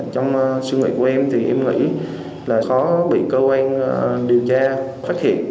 trong sự nguyện của em thì em nghĩ là khó bị cơ quan điều tra phát hiện